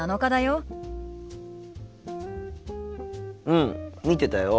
うん見てたよ。